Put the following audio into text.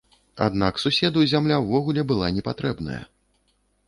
Аднак суседу зямля ўвогуле была не патрэбная.